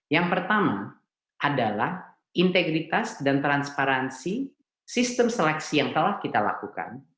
yang pertama adalah integritas dan transparansi sistem seleksi yang telah kita lakukan